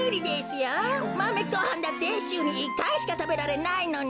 マメごはんだってしゅうに１かいしかたべられないのに。